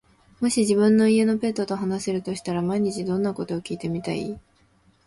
もし自分の家のペットと話せるとしたら、毎日どんなことを聞いてみたい？